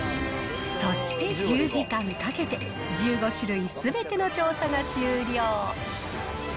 そして、１０時間かけて、１５種類すべての調査が終了。